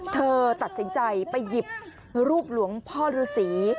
เธอตัดสินใจไปหยิบรูปหลวงพ่อฤษี